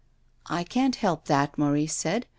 " I can't help that," Maurice said.